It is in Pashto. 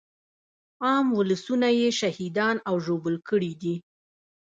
عام ولسونه يې شهیدان او ژوبل کړي دي.